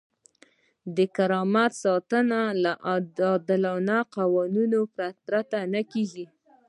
د کرامت ساتنه له عادلانه قوانینو پرته نه کیږي.